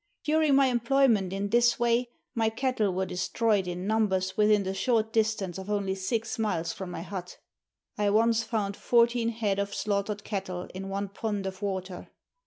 During my employment in this way my cattle were destroyed in numbers within the short distance of only six miles from my hut. I once found fourteen head of slaughtered cattle in one pond of water.